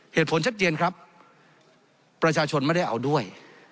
เหตุผลชัดเจนครับประชาชนไม่ได้เอาด้วย